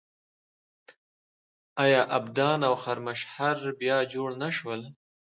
آیا ابادان او خرمشهر بیا جوړ نه شول؟